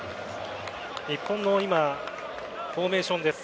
日本の今のフォーメーションです。